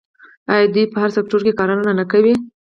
آیا دوی په هر سکتور کې کار نه کوي؟